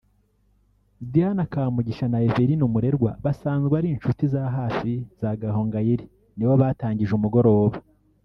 Diana Kamugisha na Evelyne Umurerwa basanzwe ari inshuti za hafi za Gahongayire nibo batangije umugoroba